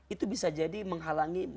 itu bisa jadi menghalangi